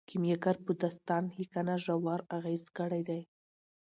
کیمیاګر په داستان لیکنه ژور اغیز کړی دی.